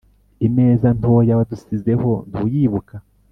imeza ntoya wadusizeho ntuyibuka